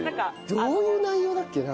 どういう内容だっけな？